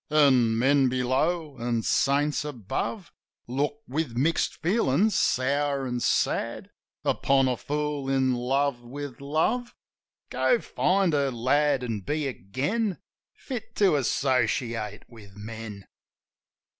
An' men below, an' saints above Look with mixed feelin's, sour an' sad. Upon a fool in love with love. Go, find her, lad, an' be again. Fit to associate with men.